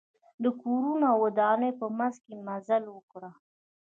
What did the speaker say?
د کورونو او ودانیو په منځ کې مزل وکړ.